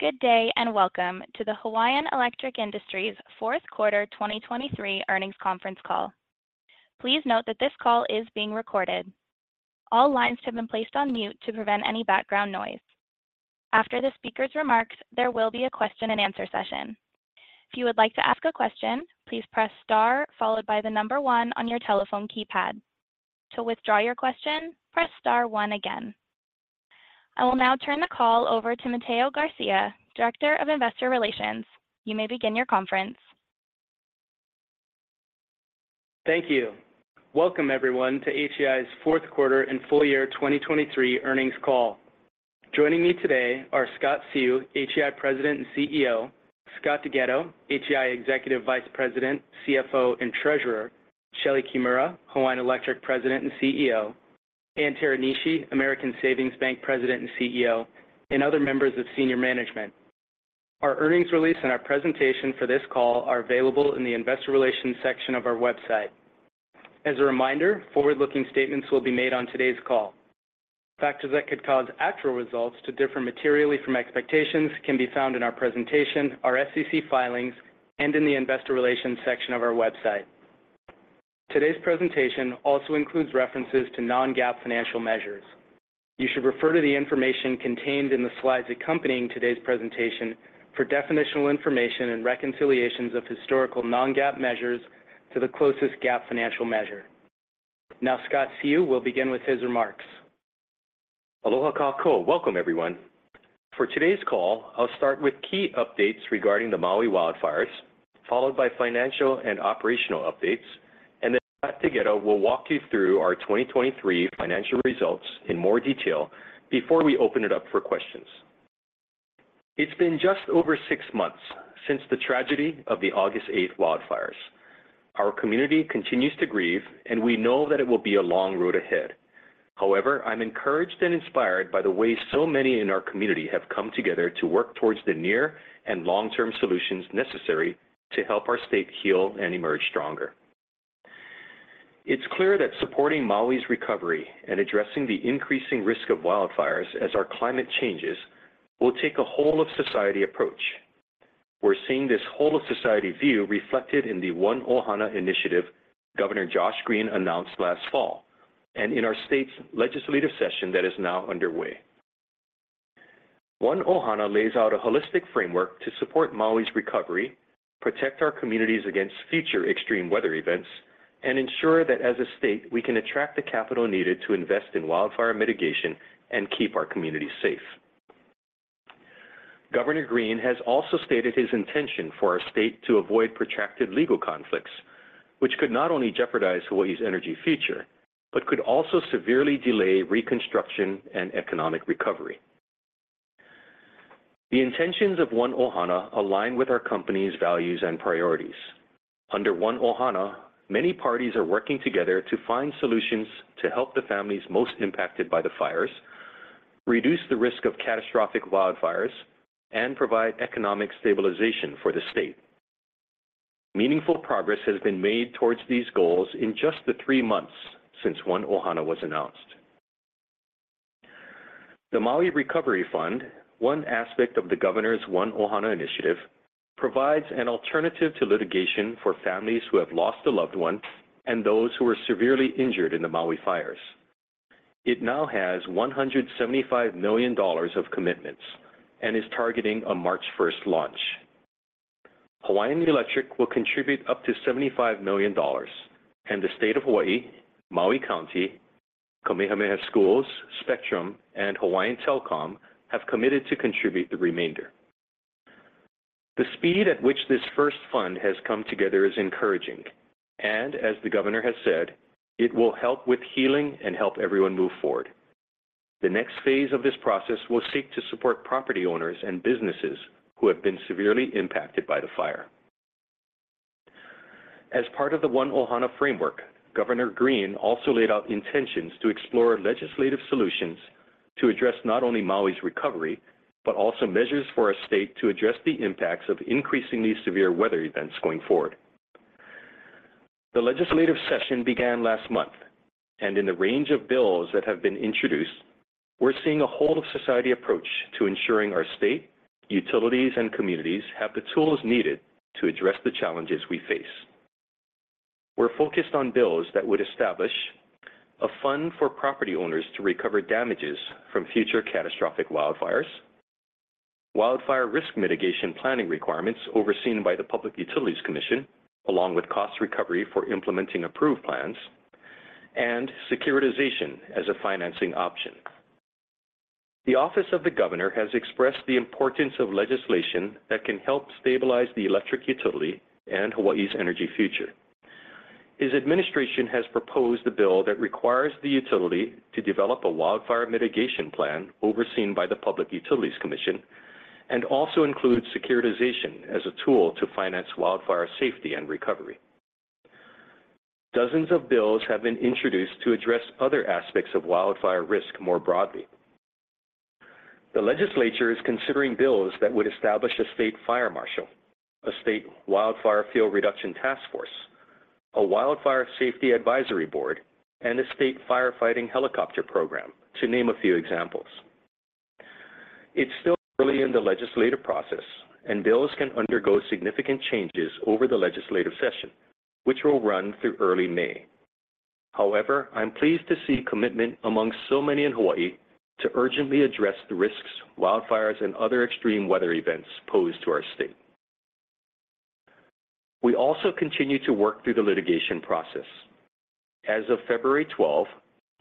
Good day and welcome to the Hawaiian Electric Industries' Fourth Quarter 2023 Earnings Conference Call. Please note that this call is being recorded. All lines have been placed on mute to prevent any background noise. After the speaker's remarks, there will be a question-and-answer session. If you would like to ask a question, please press star followed by the number one on your telephone keypad. To withdraw your question, press star one again. I will now turn the call over to Mateo Garcia, Director of Investor Relations. You may begin your conference. Thank you. Welcome, everyone, to HEI's Fourth Quarter and Full Year 2023 Earnings Call. Joining me today are Scott Seu, HEI President and CEO, Scott DeGhetto, HEI Executive Vice President, CFO and Treasurer, Shelee Kimura, Hawaiian Electric President and CEO, Ann Teranishi, American Savings Bank President and CEO, and other members of senior management. Our earnings release and our presentation for this call are available in the Investor Relations section of our website. As a reminder, forward-looking statements will be made on today's call. Factors that could cause actual results to differ materially from expectations can be found in our presentation, our SEC filings, and in the Investor Relations section of our website. Today's presentation also includes references to non-GAAP financial measures. You should refer to the information contained in the slides accompanying today's presentation for definitional information and reconciliations of historical non-GAAP measures to the closest GAAP financial measure. Now, Scott Seu will begin with his remarks. Aloha kakou. Welcome, everyone. For today's call, I'll start with key updates regarding the Maui wildfires, followed by financial and operational updates, and then Scott DeGhetto will walk you through our 2023 financial results in more detail before we open it up for questions. It's been just over six months since the tragedy of the August 8 wildfires. Our community continues to grieve, and we know that it will be a long road ahead. However, I'm encouraged and inspired by the way so many in our community have come together to work towards the near and long-term solutions necessary to help our state heal and emerge stronger. It's clear that supporting Maui's recovery and addressing the increasing risk of wildfires as our climate changes will take a whole-of-society approach. We're seeing this whole-of-society view reflected in the One Ohana Initiative Governor Josh Green announced last fall and in our state's legislative session that is now underway. One Ohana lays out a holistic framework to support Maui's recovery, protect our communities against future extreme weather events, and ensure that as a state we can attract the capital needed to invest in wildfire mitigation and keep our communities safe. Governor Green has also stated his intention for our state to avoid protracted legal conflicts, which could not only jeopardize Hawaii's energy future but could also severely delay reconstruction and economic recovery. The intentions of One Ohana align with our company's values and priorities. Under One Ohana, many parties are working together to find solutions to help the families most impacted by the fires, reduce the risk of catastrophic wildfires, and provide economic stabilization for the state. Meaningful progress has been made towards these goals in just the three months since One Ohana was announced. The Maui Recovery Fund, one aspect of the Governor's One Ohana initiative, provides an alternative to litigation for families who have lost a loved one and those who were severely injured in the Maui fires. It now has $175 million of commitments and is targeting a March 1 launch. Hawaiian Electric will contribute up to $75 million, and the state of Hawaii, Maui County, Kamehameha Schools, Spectrum, and Hawaiian Telcom have committed to contribute the remainder. The speed at which this first fund has come together is encouraging, and as the Governor has said, it will help with healing and help everyone move forward. The next phase of this process will seek to support property owners and businesses who have been severely impacted by the fire. As part of the One Ohana framework, Governor Green also laid out intentions to explore legislative solutions to address not only Maui's recovery but also measures for our state to address the impacts of increasingly severe weather events going forward. The legislative session began last month, and in the range of bills that have been introduced, we're seeing a whole-of-society approach to ensuring our state, utilities, and communities have the tools needed to address the challenges we face. We're focused on bills that would establish a fund for property owners to recover damages from future catastrophic wildfires, wildfire risk mitigation planning requirements overseen by the Public Utilities Commission along with cost recovery for implementing approved plans, and securitization as a financing option. The Office of the Governor has expressed the importance of legislation that can help stabilize the electric utility and Hawaii's energy future. His administration has proposed a bill that requires the utility to develop a wildfire mitigation plan overseen by the Public Utilities Commission and also includes securitization as a tool to finance wildfire safety and recovery. Dozens of bills have been introduced to address other aspects of wildfire risk more broadly. The legislature is considering bills that would establish a state fire marshal, a state wildfire fuel reduction task force, a wildfire safety advisory board, and a state firefighting helicopter program, to name a few examples. It's still early in the legislative process, and bills can undergo significant changes over the legislative session, which will run through early May. However, I'm pleased to see commitment among so many in Hawaii to urgently address the risks wildfires and other extreme weather events pose to our state. We also continue to work through the litigation process. As of February 12,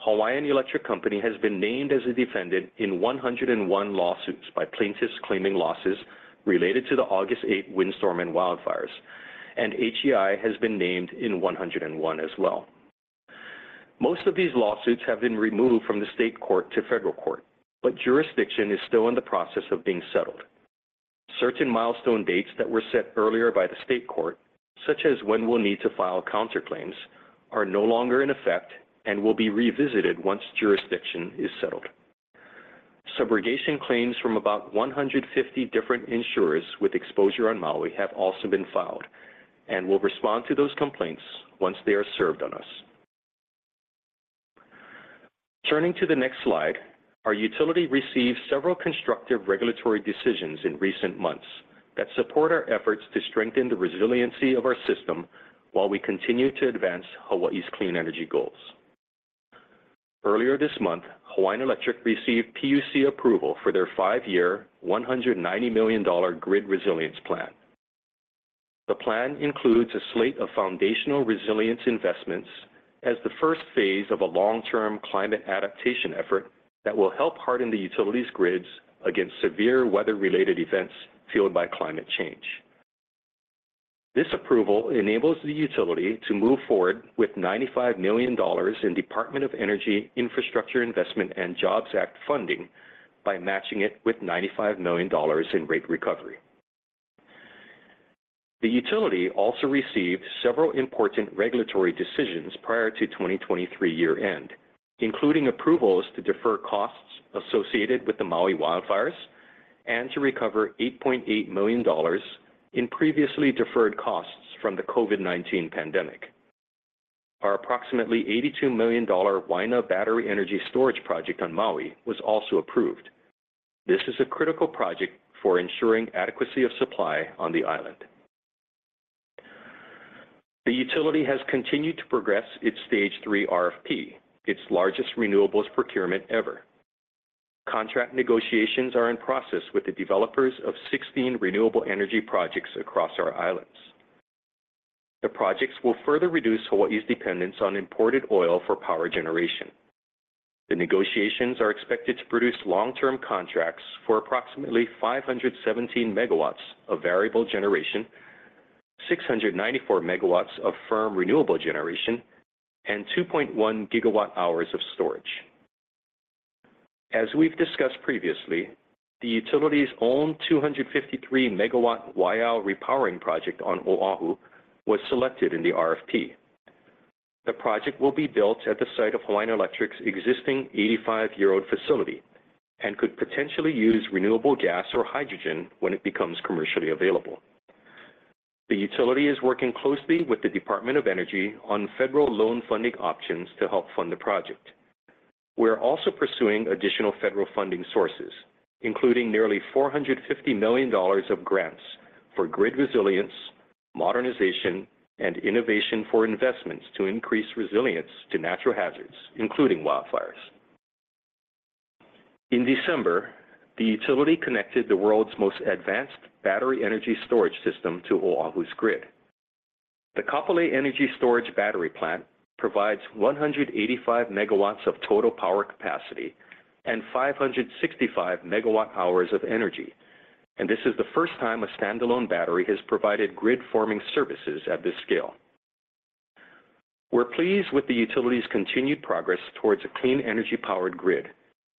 Hawaiian Electric Company has been named as a defendant in 101 lawsuits by plaintiffs claiming losses related to the August 8 windstorm and wildfires, and HEI has been named in 101 as well. Most of these lawsuits have been removed from the state court to federal court, but jurisdiction is still in the process of being settled. Certain milestone dates that were set earlier by the state court, such as when we'll need to file counterclaims, are no longer in effect and will be revisited once jurisdiction is settled. Subrogation claims from about 150 different insurers with exposure on Maui have also been filed and will respond to those complaints once they are served on us. Turning to the next slide, our utility received several constructive regulatory decisions in recent months that support our efforts to strengthen the resiliency of our system while we continue to advance Hawaii's clean energy goals. Earlier this month, Hawaiian Electric received PUC approval for their 5-year $190 million grid resilience plan. The plan includes a slate of foundational resilience investments as the first phase of a long-term climate adaptation effort that will help harden the utility's grids against severe weather-related events fueled by climate change. This approval enables the utility to move forward with $95 million in Department of Energy Infrastructure Investment and Jobs Act funding by matching it with $95 million in rate recovery. The utility also received several important regulatory decisions prior to 2023 year-end, including approvals to defer costs associated with the Maui wildfires and to recover $8.8 million in previously deferred costs from the COVID-19 pandemic. Our approximately $82 million Waena Battery Energy Storage Project on Maui was also approved. This is a critical project for ensuring adequacy of supply on the island. The utility has continued to progress its Stage 3 RFP, its largest renewables procurement ever. Contract negotiations are in process with the developers of 16 renewable energy projects across our islands. The projects will further reduce Hawaii's dependence on imported oil for power generation. The negotiations are expected to produce long-term contracts for approximately 517 megawatts of variable generation, 694 megawatts of firm renewable generation, and 2.1 gigawatt-hours of storage. As we've discussed previously, the utility's own 253-megawatt Waiʻau repowering project on Oahu was selected in the RFP. The project will be built at the site of Hawaiian Electric's existing 85-year-old facility and could potentially use renewable gas or hydrogen when it becomes commercially available. The utility is working closely with the Department of Energy on federal loan funding options to help fund the project. We're also pursuing additional federal funding sources, including nearly $450 million of grants for grid resilience, modernization, and innovation for investments to increase resilience to natural hazards, including wildfires. In December, the utility connected the world's most advanced battery energy storage system to Oahu's grid. The Kapolei Energy Storage Battery Plant provides 185 megawatts of total power capacity and 565 megawatt-hours of energy, and this is the first time a standalone battery has provided grid-forming services at this scale. We're pleased with the utility's continued progress towards a clean energy-powered grid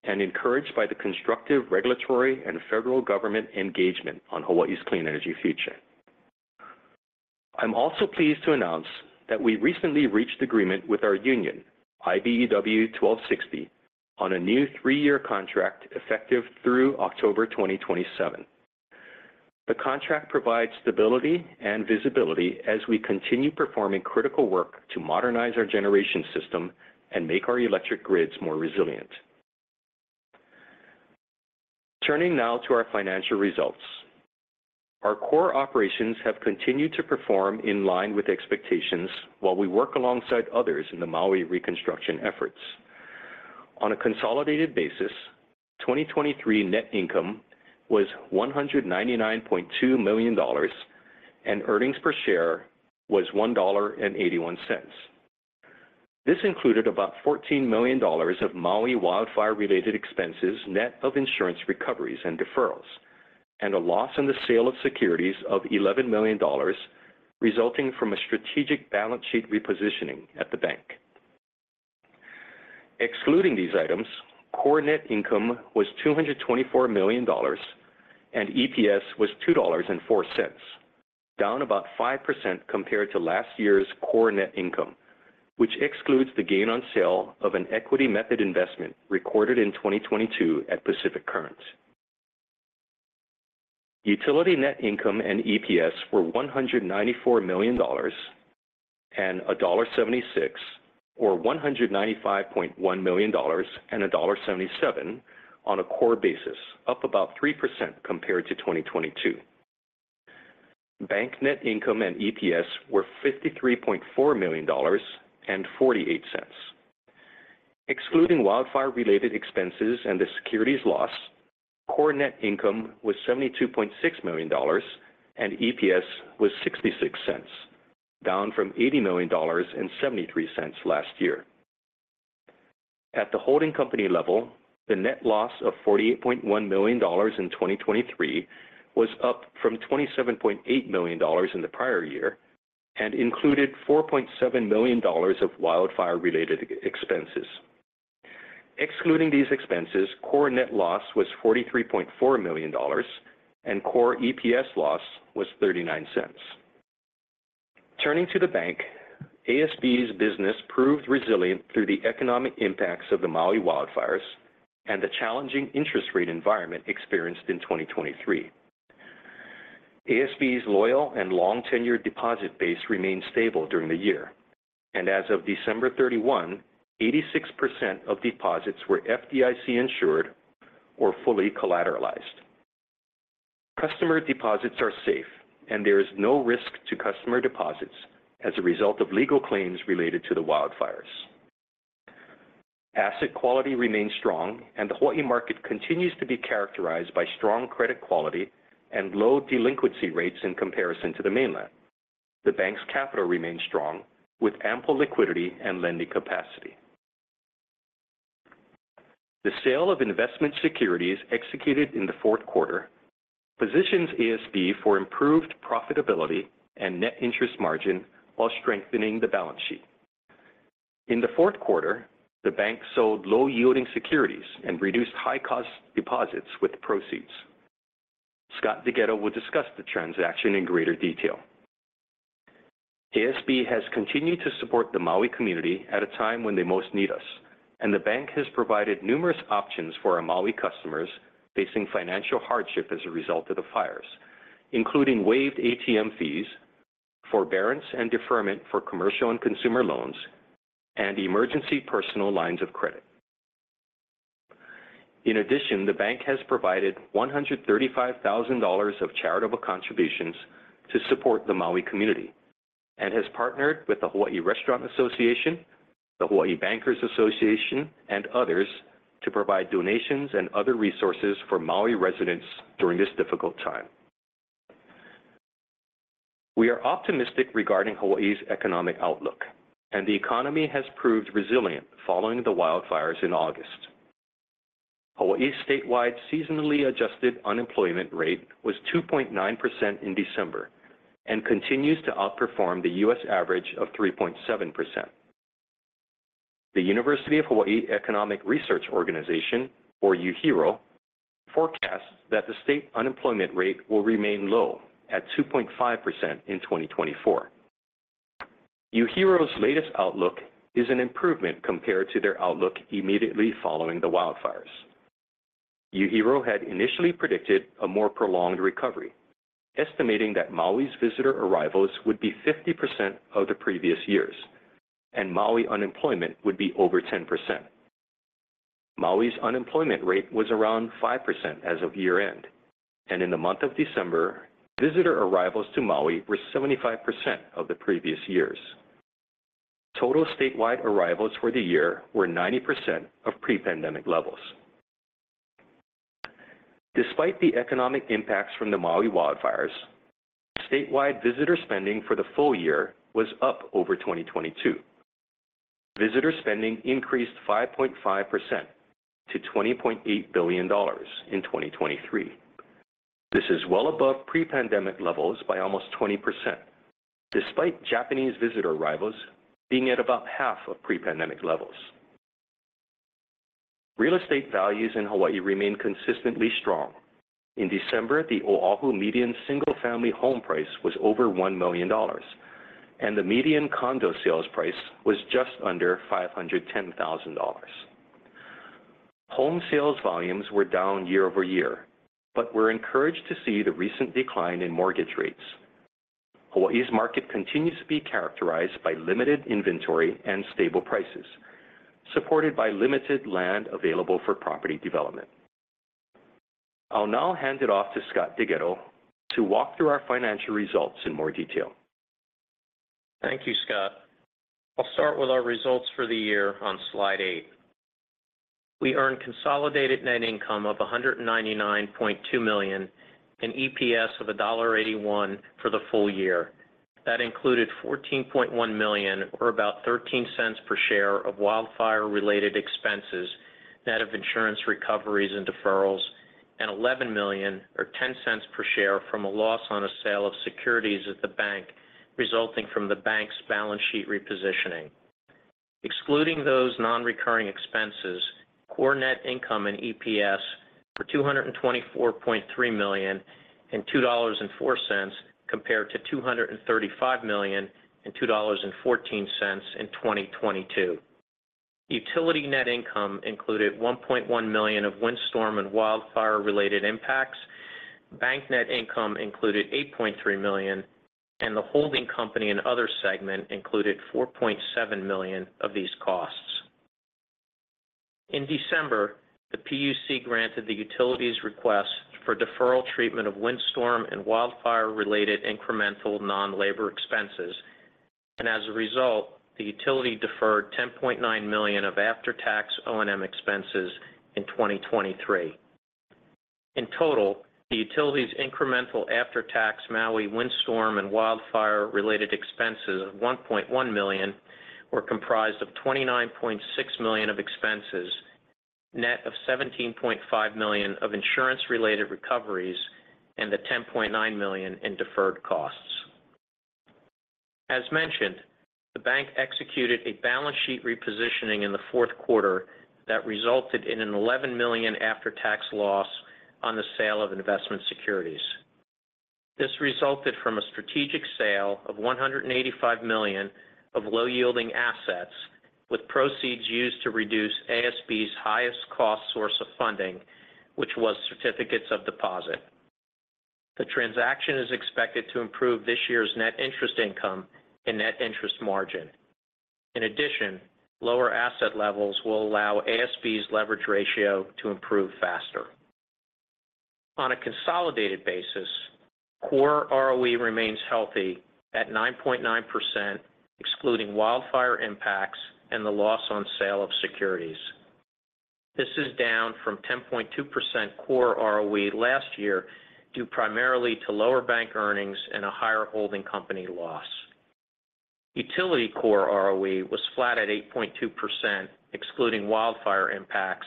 and encouraged by the constructive regulatory and federal government engagement on Hawaii's clean energy future. I'm also pleased to announce that we recently reached agreement with our union, IBEW 1260, on a new three-year contract effective through October 2027. The contract provides stability and visibility as we continue performing critical work to modernize our generation system and make our electric grids more resilient. Turning now to our financial results. Our core operations have continued to perform in line with expectations while we work alongside others in the Maui reconstruction efforts. On a consolidated basis, 2023 net income was $199.2 million and earnings per share was $1.81. This included about $14 million of Maui wildfire-related expenses net of insurance recoveries and deferrals, and a loss in the sale of securities of $11 million resulting from a strategic balance sheet repositioning at the bank. Excluding these items, core net income was $224 million and EPS was $2.04, down about 5% compared to last year's core net income, which excludes the gain on sale of an equity method investment recorded in 2022 at Pacific Current. Utility net income and EPS were $194 million and $1.76, or $195.1 million and $1.77 on a core basis, up about 3% compared to 2022. Bank net income and EPS were $53.4 million and $0.48. Excluding wildfire-related expenses and the securities loss, core net income was $72.6 million and EPS was $0.66, down from $80 million and $0.73 last year. At the holding company level, the net loss of $48.1 million in 2023 was up from $27.8 million in the prior year and included $4.7 million of wildfire-related expenses. Excluding these expenses, core net loss was $43.4 million and core EPS loss was $0.39. Turning to the bank, ASB's business proved resilient through the economic impacts of the Maui wildfires and the challenging interest rate environment experienced in 2023. ASB's loyal and long-tenured deposit base remained stable during the year, and as of December 31, 86% of deposits were FDIC insured or fully collateralized. Customer deposits are safe, and there is no risk to customer deposits as a result of legal claims related to the wildfires. Asset quality remains strong, and the Hawaii market continues to be characterized by strong credit quality and low delinquency rates in comparison to the mainland. The bank's capital remains strong, with ample liquidity and lending capacity. The sale of investment securities executed in the fourth quarter positions ASB for improved profitability and net interest margin while strengthening the balance sheet. In the fourth quarter, the bank sold low-yielding securities and reduced high-cost deposits with proceeds. Scott DeGhetto will discuss the transaction in greater detail. ASB has continued to support the Maui community at a time when they most need us, and the bank has provided numerous options for our Maui customers facing financial hardship as a result of the fires, including waived ATM fees, forbearance and deferment for commercial and consumer loans, and emergency personal lines of credit. In addition, the bank has provided $135,000 of charitable contributions to support the Maui community and has partnered with the Hawaii Restaurant Association, the Hawaii Bankers Association, and others to provide donations and other resources for Maui residents during this difficult time. We are optimistic regarding Hawaii's economic outlook, and the economy has proved resilient following the wildfires in August. Hawaii's statewide seasonally adjusted unemployment rate was 2.9% in December and continues to outperform the U.S. average of 3.7%. The University of Hawaii Economic Research Organization, or UHERO, forecasts that the state unemployment rate will remain low at 2.5% in 2024. UHERO's latest outlook is an improvement compared to their outlook immediately following the wildfires. UHERO had initially predicted a more prolonged recovery, estimating that Maui's visitor arrivals would be 50% of the previous years, and Maui unemployment would be over 10%. Maui's unemployment rate was around 5% as of year-end, and in the month of December, visitor arrivals to Maui were 75% of the previous years. Total statewide arrivals for the year were 90% of pre-pandemic levels. Despite the economic impacts from the Maui wildfires, statewide visitor spending for the full year was up over 2022. Visitor spending increased 5.5% to $20.8 billion in 2023. This is well above pre-pandemic levels by almost 20%, despite Japanese visitor arrivals being at about half of pre-pandemic levels. Real estate values in Hawaii remain consistently strong. In December, the Oahu median single-family home price was over $1 million, and the median condo sales price was just under $510,000. Home sales volumes were down year-over-year, but we're encouraged to see the recent decline in mortgage rates. Hawaii's market continues to be characterized by limited inventory and stable prices, supported by limited land available for property development. I'll now hand it off to Scott DeGhetto to walk through our financial results in more detail. Thank you, Scott. I'll start with our results for the year on slide eight. We earned consolidated net income of $199.2 million and EPS of $1.81 for the full year. That included $14.1 million, or about $0.13 per share, of wildfire-related expenses net of insurance recoveries and deferrals, and $11 million, or $0.10 per share, from a loss on a sale of securities at the bank resulting from the bank's balance sheet repositioning. Excluding those non-recurring expenses, core net income and EPS were $224.3 million and $2.04 compared to $235 million and $2.14 in 2022. Utility net income included $1.1 million of windstorm and wildfire-related impacts. Bank net income included $8.3 million, and the holding company and other segment included $4.7 million of these costs. In December, the PUC granted the utilities request for deferral treatment of windstorm and wildfire-related incremental non-labor expenses, and as a result, the utility deferred $10.9 million of after-tax O&M expenses in 2023. In total, the utility's incremental after-tax Maui windstorm and wildfire-related expenses of $1.1 million were comprised of $29.6 million of expenses, net of $17.5 million of insurance-related recoveries, and the $10.9 million in deferred costs. As mentioned, the bank executed a balance sheet repositioning in the fourth quarter that resulted in an $11 million after-tax loss on the sale of investment securities. This resulted from a strategic sale of $185 million of low-yielding assets with proceeds used to reduce ASB's highest cost source of funding, which was certificates of deposit. The transaction is expected to improve this year's net interest income and net interest margin. In addition, lower asset levels will allow ASB's leverage ratio to improve faster. On a consolidated basis, core ROE remains healthy at 9.9% excluding wildfire impacts and the loss on sale of securities. This is down from 10.2% core ROE last year due primarily to lower bank earnings and a higher holding company loss. Utility core ROE was flat at 8.2% excluding wildfire impacts,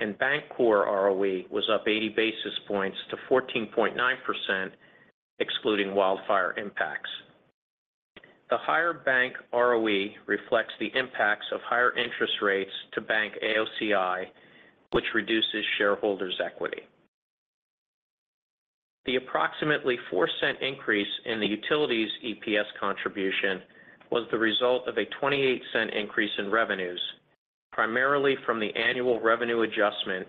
and bank core ROE was up 80 basis points to 14.9% excluding wildfire impacts. The higher bank ROE reflects the impacts of higher interest rates to bank AOCI, which reduces shareholders' equity. The approximately $0.04 increase in the utilities' EPS contribution was the result of a $0.28 increase in revenues, primarily from the annual revenue adjustment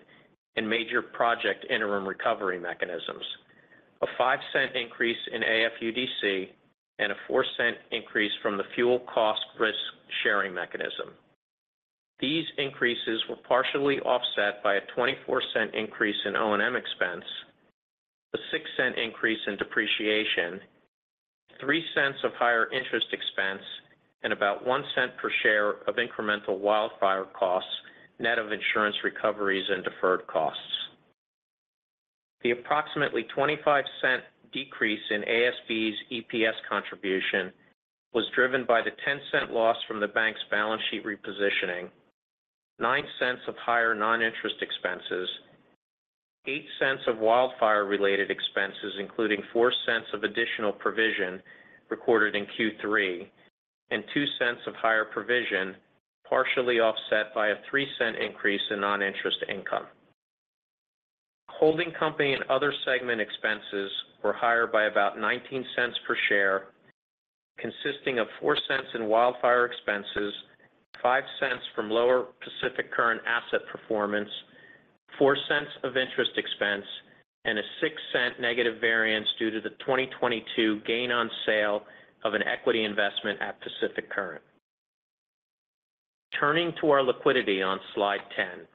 and major project interim recovery mechanisms, a $0.05 increase in AFUDC, and a $0.04 increase from the fuel cost risk sharing mechanism. These increases were partially offset by a $0.24 increase in O&M expense, a $0.06 increase in depreciation, $0.03 of higher interest expense, and about $0.01 per share of incremental wildfire costs net of insurance recoveries and deferred costs. The approximately $0.25 decrease in ASB's EPS contribution was driven by the $0.10 loss from the bank's balance sheet repositioning, $0.09 of higher non-interest expenses, $0.08 of wildfire-related expenses including $0.04 of additional provision recorded in Q3, and $0.02 of higher provision partially offset by a $0.03 increase in non-interest income. Holding company and other segment expenses were higher by about $0.19 per share, consisting of $0.04 in wildfire expenses, $0.05 from lower Pacific Current asset performance, $0.04 of interest expense, and a $0.06 negative variance due to the 2022 gain on sale of an equity investment at Pacific Current. Turning to our liquidity on slide 10,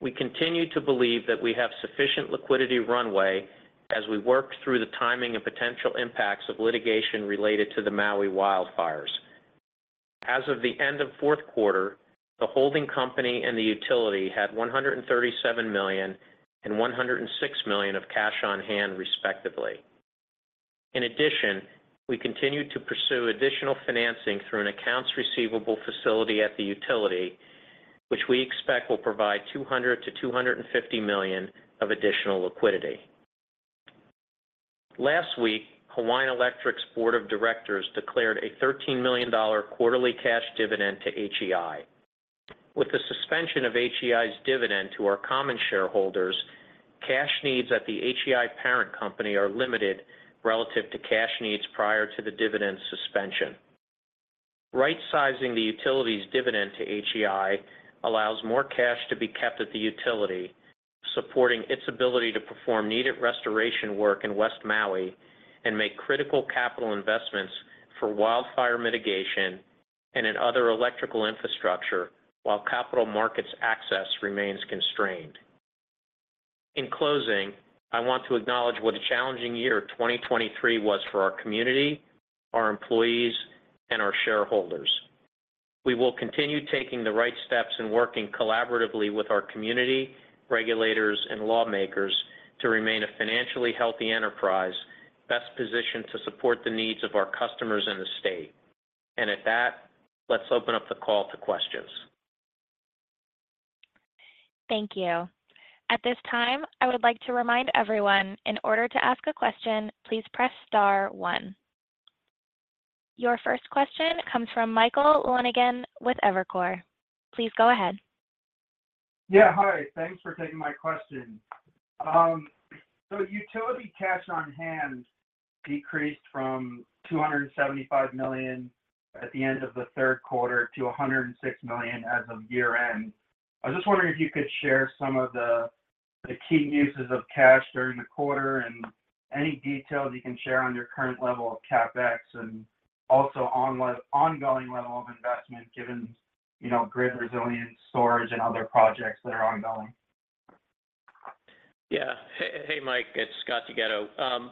we continue to believe that we have sufficient liquidity runway as we work through the timing and potential impacts of litigation related to the Maui wildfires. As of the end of fourth quarter, the holding company and the utility had $137 million and $106 million of cash on hand respectively. In addition, we continue to pursue additional financing through an accounts receivable facility at the utility, which we expect will provide $200 to $250 million of additional liquidity. Last week, Hawaiian Electric's board of directors declared a $13 million quarterly cash dividend to HEI. With the suspension of HEI's dividend to our common shareholders, cash needs at the HEI parent company are limited relative to cash needs prior to the dividend suspension. Right-sizing the utility's dividend to HEI allows more cash to be kept at the utility, supporting its ability to perform needed restoration work in West Maui and make critical capital investments for wildfire mitigation and in other electrical infrastructure while capital markets access remains constrained. In closing, I want to acknowledge what a challenging year 2023 was for our community, our employees, and our shareholders. We will continue taking the right steps and working collaboratively with our community, regulators, and lawmakers to remain a financially healthy enterprise, best positioned to support the needs of our customers and the state. At that, let's open up the call to questions. Thank you. At this time, I would like to remind everyone, in order to ask a question, please press star one. Your first question comes from Michael Lonegan with Evercore. Please go ahead. Yeah, hi. Thanks for taking my question. So utility cash on hand decreased from $275 million at the end of the third quarter to $106 million as of year-end. I was just wondering if you could share some of the key uses of cash during the quarter and any details you can share on your current level of CapEx and also ongoing level of investment given grid resilience, storage, and other projects that are ongoing. Yeah. Hey, Mike. It's Scott DeGhetto.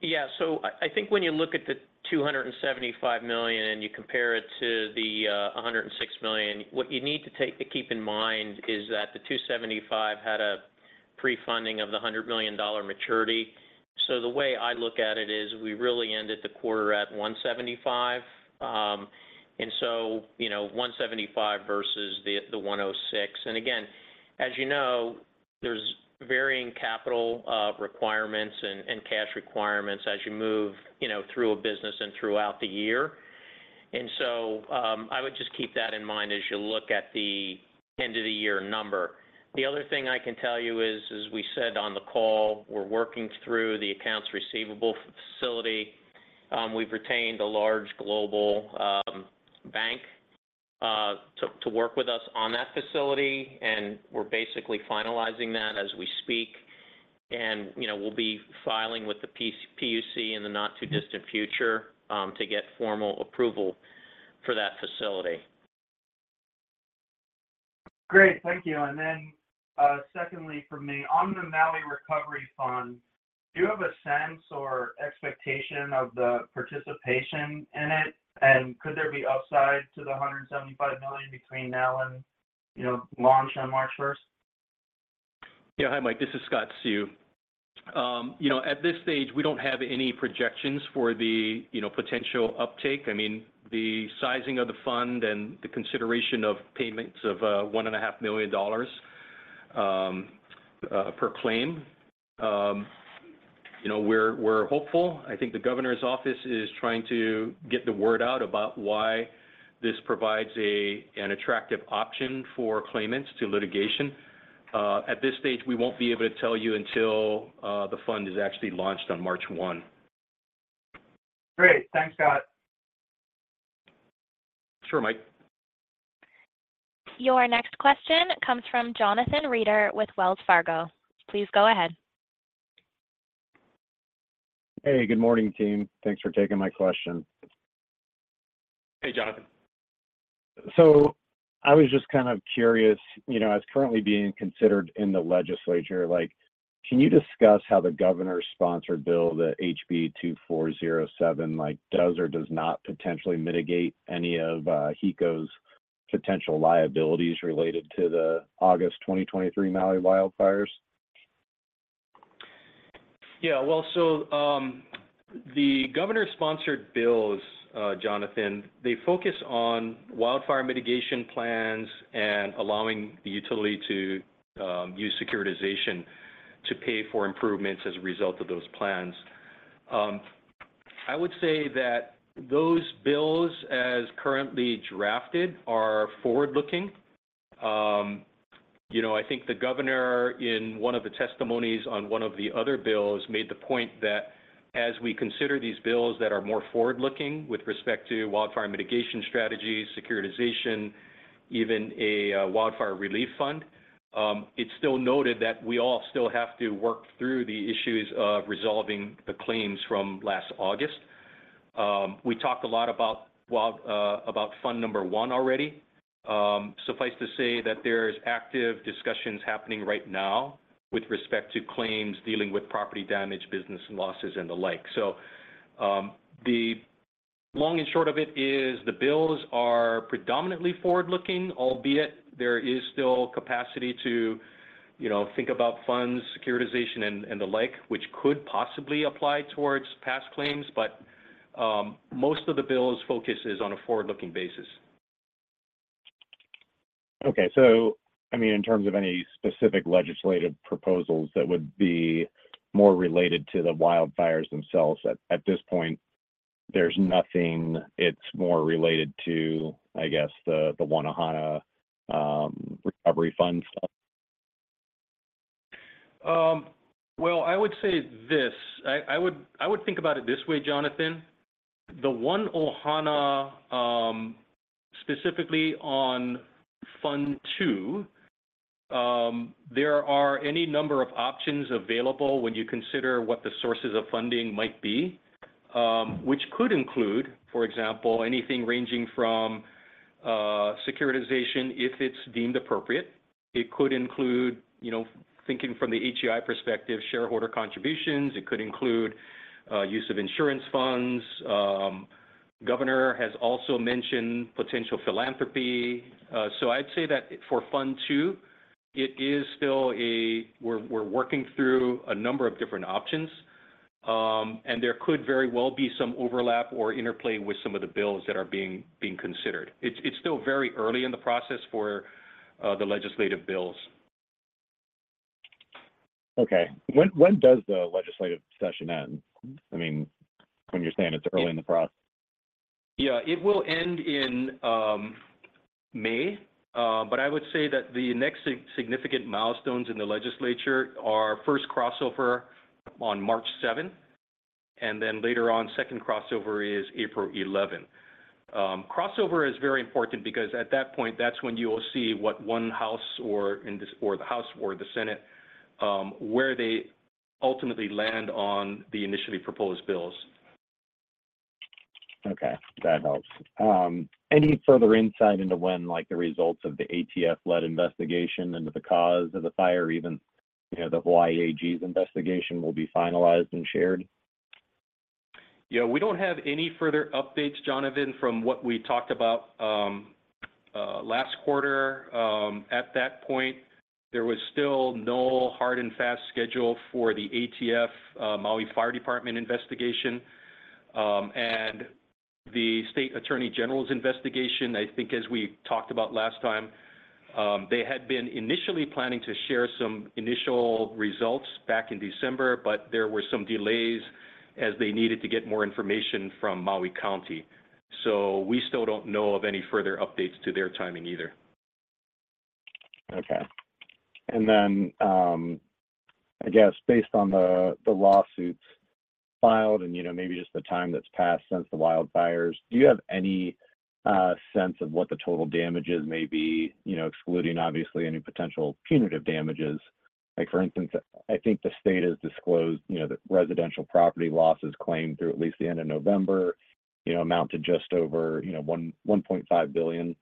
Yeah, so I think when you look at the $275 million and you compare it to the $106 million, what you need to keep in mind is that the $275 had a pre-funding of the $100 million maturity. So the way I look at it is we really ended the quarter at $175, and so $175 versus the $106. And again, as you know, there's varying capital requirements and cash requirements as you move through a business and throughout the year. And so I would just keep that in mind as you look at the end-of-the-year number. The other thing I can tell you is, as we said on the call, we're working through the accounts receivable facility. We've retained a large global bank to work with us on that facility, and we're basically finalizing that as we speak. And we'll be filing with the PUC in the not-too-distant future to get formal approval for that facility. Great. Thank you. And then secondly from me, on the Maui Recovery Fund, do you have a sense or expectation of the participation in it? And could there be upside to the $175 million between now and launch on March 1st? Yeah, hi, Mike. This is Scott Seu. At this stage, we don't have any projections for the potential uptake. I mean, the sizing of the fund and the consideration of payments of $1.5 million per claim, we're hopeful. I think the governor's office is trying to get the word out about why this provides an attractive option for claimants to litigation. At this stage, we won't be able to tell you until the fund is actually launched on 1 March. Great. Thanks, Scott. Sure, Mike. Your next question comes from Jonathan Reeder with Wells Fargo. Please go ahead. Hey, good morning, team. Thanks for taking my question. Hey, Jonathan. So I was just kind of curious, as currently being considered in the legislature, can you discuss how the governor-sponsored bill, the HB 2407, does or does not potentially mitigate any of HECO's potential liabilities related to the August 2023 Maui wildfires? Yeah. Well, so the governor-sponsored bills, Jonathan, they focus on wildfire mitigation plans and allowing the utility to use securitization to pay for improvements as a result of those plans. I would say that those bills, as currently drafted, are forward-looking. I think the governor, in one of the testimonies on one of the other bills, made the point that as we consider these bills that are more forward-looking with respect to wildfire mitigation strategies, securitization, even a wildfire relief fund, it's still noted that we all still have to work through the issues of resolving the claims from last August. We talked a lot about fund number one already. Suffice to say that there's active discussions happening right now with respect to claims dealing with property damage, business losses, and the like. So the long and short of it is the bills are predominantly forward-looking, albeit there is still capacity to think about funds, securitization, and the like, which could possibly apply towards past claims. But most of the bills' focus is on a forward-looking basis. Okay. So, I mean, in terms of any specific legislative proposals that would be more related to the wildfires themselves, at this point, there's nothing. It's more related to, I guess, the One Ohana Recovery Fund stuff? Well, I would say this. I would think about it this way, Jonathan. The One Ohana, specifically on fund two, there are any number of options available when you consider what the sources of funding might be, which could include, for example, anything ranging from securitization if it's deemed appropriate. It could include thinking from the HEI perspective, shareholder contributions. It could include use of insurance funds. The governor has also mentioned potential philanthropy. So I'd say that for fund two, it is still a we're working through a number of different options, and there could very well be some overlap or interplay with some of the bills that are being considered. It's still very early in the process for the legislative bills. Okay. When does the legislative session end? I mean, when you're saying it's early in the process. Yeah, it will end in May. But I would say that the next significant milestones in the legislature are first crossover on March 7th, and then later on, second crossover is 11th April. Crossover is very important because at that point, that's when you'll see what one house or the House or the Senate, where they ultimately land on the initially proposed bills. Okay. That helps. Any further insight into when the results of the ATF-led investigation into the cause of the fire, even the Hawaii AG's investigation, will be finalized and shared? Yeah, we don't have any further updates, Jonathan, from what we talked about last quarter. At that point, there was still no hard-and-fast schedule for the ATF Maui Fire Department investigation and the state Attorney General's investigation. I think, as we talked about last time, they had been initially planning to share some initial results back in December, but there were some delays as they needed to get more information from Maui County. So we still don't know of any further updates to their timing either. Okay. And then, I guess, based on the lawsuits filed and maybe just the time that's passed since the wildfires, do you have any sense of what the total damages may be, excluding, obviously, any potential punitive damages? For instance, I think the state has disclosed that residential property losses claimed through at least the end of November amount to just over $1.5 billion.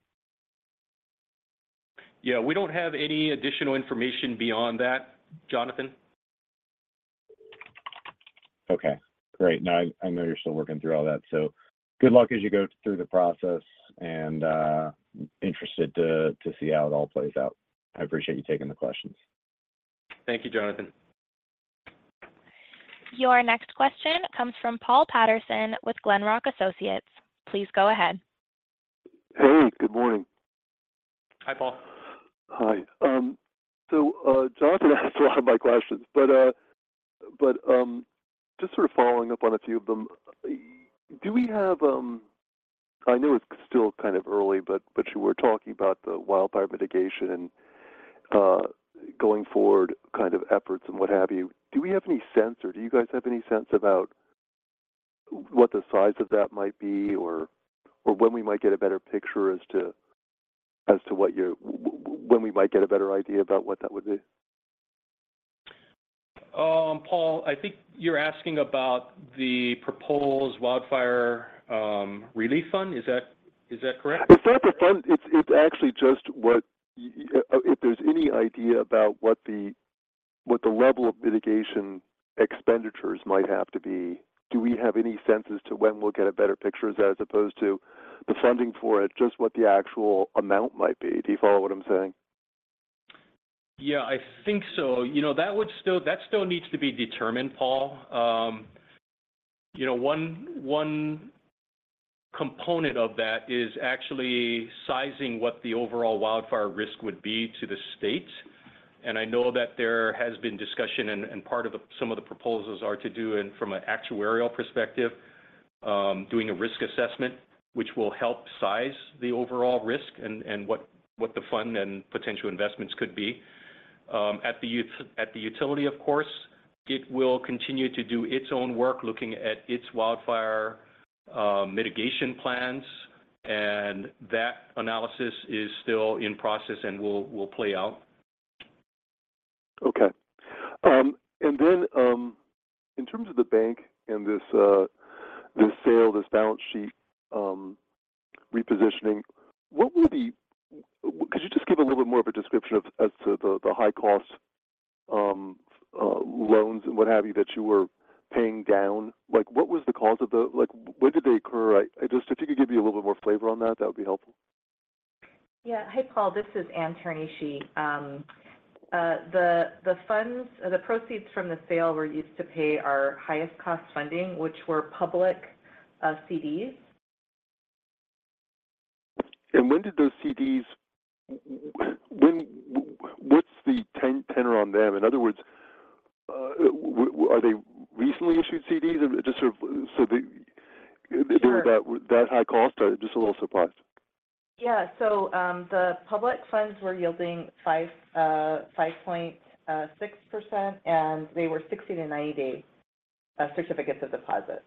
Yeah, we don't have any additional information beyond that, Jonathan. Okay. Great. Now, I know you're still working through all that. So good luck as you go through the process, and interested to see how it all plays out. I appreciate you taking the questions. Thank you, Jonathan. Your next question comes from Paul Patterson with Glenrock Associates. Please go ahead. Hey, good morning. Hi, Paul. Hi. So Jonathan asked a lot of my questions, but just sort of following up on a few of them, do we have I know it's still kind of early, but you were talking about the wildfire mitigation and going forward kind of efforts and what have you. Do we have any sense, or do you guys have any sense about what the size of that might be or when we might get a better picture as to what you're when we might get a better idea about what that would be? Paul, I think you're asking about the proposed wildfire relief fund. Is that correct? It's not the fund. It's actually just what if there's any idea about what the level of mitigation expenditures might have to be, do we have any senses to when we'll get a better picture as opposed to the funding for it, just what the actual amount might be? Do you follow what I'm saying? Yeah, I think so. That still needs to be determined, Paul. One component of that is actually sizing what the overall wildfire risk would be to the state. And I know that there has been discussion, and part of some of the proposals are to do it from an actuarial perspective, doing a risk assessment, which will help size the overall risk and what the fund and potential investments could be. At the utility, of course, it will continue to do its own work looking at its wildfire mitigation plans, and that analysis is still in process and will play out. Okay. And then in terms of the bank and this sale, this balance sheet repositioning, what will be could you just give a little bit more of a description as to the high-cost loans and what have you that you were paying down? What was the cause of the when did they occur? Just if you could give me a little bit more flavor on that, that would be helpful. Yeah. Hi, Paul. This is Ann Teranishi. The proceeds from the sale were used to pay our highest-cost funding, which were public CDs. And when did those CDs what's the tenor on them? In other words, are they recently issued CDs? Just sort of so they're about that high cost? I'm just a little surprised. Yeah. So the public funds were yielding 5.6%, and they were 60-90-day certificates of deposit.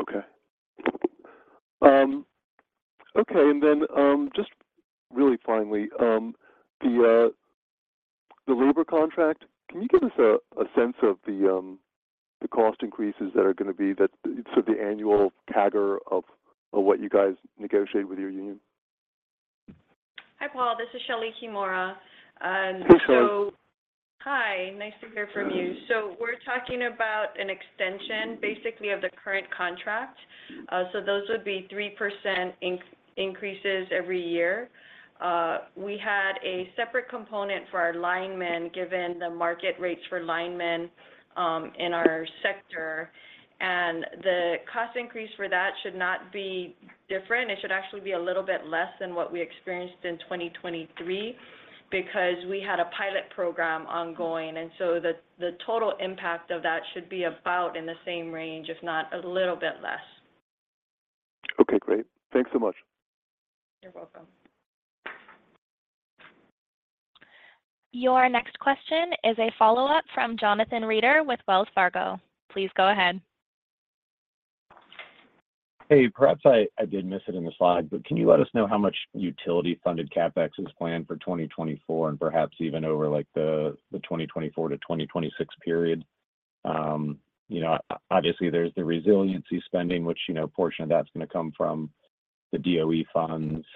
Okay. Okay. And then just really finally, the labor contract, can you give us a sense of the cost increases that are going to be that's sort of the annual CAGR of what you guys negotiate with your union? Hi, Paul. This is Shelee Kimura. Hey, Shelee. Hi. Nice to hear from you. So we're talking about an extension, basically, of the current contract. So those would be 3% increases every year. We had a separate component for our linemen given the market rates for linemen in our sector. And the cost increase for that should not be different. It should actually be a little bit less than what we experienced in 2023 because we had a pilot program ongoing. And so the total impact of that should be about in the same range, if not a little bit less. Okay. Great. Thanks so much. You're welcome. Your next question is a follow-up from Jonathan Reeder with Wells Fargo. Please go ahead. Hey, perhaps I did miss it in the slide, but can you let us know how much utility-funded CapEx is planned for 2024 and perhaps even over the 2024 to 2026 period? Obviously, there's the resiliency spending, which portion of that's going to come from the DOE funds.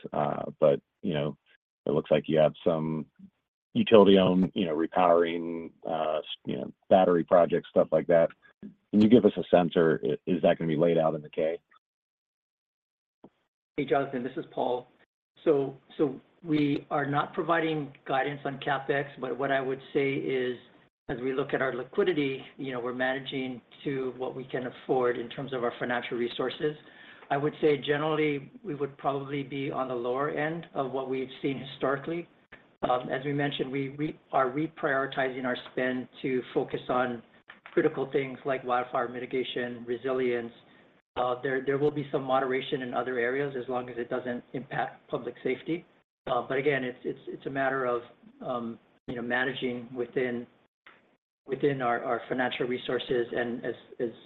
But it looks like you have some utility-owned repowering, battery projects, stuff like that. Can you give us a sense? Or is that going to be laid out in the K? Hey, Jonathan. This is Paul. So we are not providing guidance on CapEx, but what I would say is, as we look at our liquidity, we're managing to what we can afford in terms of our financial resources. I would say, generally, we would probably be on the lower end of what we've seen historically. As we mentioned, we are reprioritizing our spend to focus on critical things like wildfire mitigation, resilience. There will be some moderation in other areas as long as it doesn't impact public safety. But again, it's a matter of managing within our financial resources. And as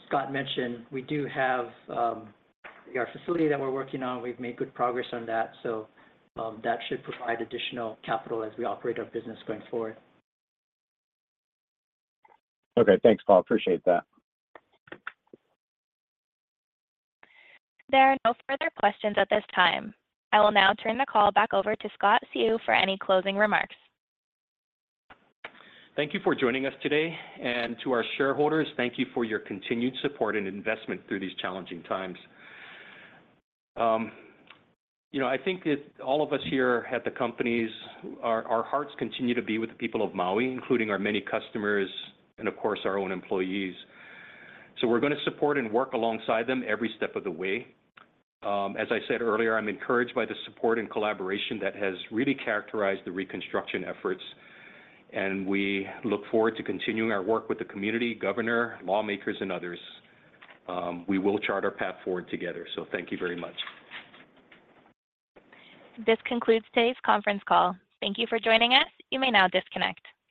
Scott mentioned, we do have our facility that we're working on. We've made good progress on that. So that should provide additional capital as we operate our business going forward. Okay. Thanks, Paul. Appreciate that. There are no further questions at this time. I will now turn the call back over to Scott Seu for any closing remarks. Thank you for joining us today. To our shareholders, thank you for your continued support and investment through these challenging times. I think that all of us here at the companies, our hearts continue to be with the people of Maui, including our many customers and, of course, our own employees. We're going to support and work alongside them every step of the way. As I said earlier, I'm encouraged by the support and collaboration that has really characterized the reconstruction efforts. We look forward to continuing our work with the community, governor, lawmakers, and others. We will chart our path forward together. Thank you very much. This concludes today's conference call. Thank you for joining us. You may now disconnect.